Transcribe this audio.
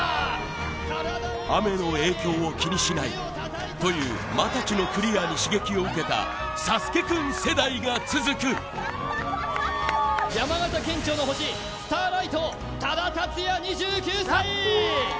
雨の影響を気にしないという又地のクリアに刺激を受けたサスケくん世代が続く山形県庁の星スターライト多田竜也２９歳